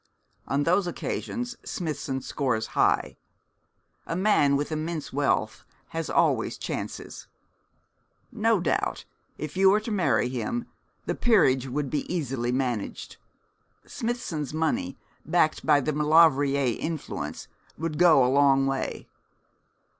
On those occasions Smithson scores high. A man with immense wealth has always chances. No doubt, if you were to marry him, the peerage would be easily managed. Smithson's money, backed by the Maulevrier influence, would go a long way.